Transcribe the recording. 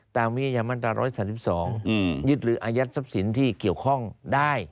วิทยามาตรา๑๓๒ยึดหรืออายัดทรัพย์สินที่เกี่ยวข้องได้